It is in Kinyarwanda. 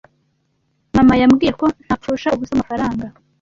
Mama yambwiye ko ntapfusha ubusa amafaranga.